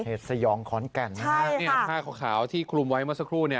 สยองขอนแก่นนะฮะเนี่ยผ้าขาวที่คลุมไว้เมื่อสักครู่เนี่ย